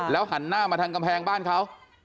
หันหน้ามาทางกำแพงบ้านเขา